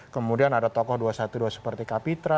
kemudian ada tokoh dua ratus dua belas seperti kapitra